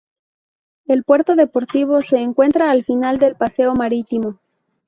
El Puerto Deportivo se encuentra al final del paseo marítimo.